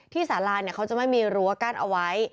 ที่สาราเนี่ยเขาจะไม่มีรั้วการเอาไว้